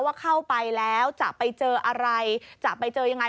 ว่าเข้าไปแล้วจะไปเจออะไรจะไปเจอยังไง